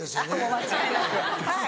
間違いなくはい。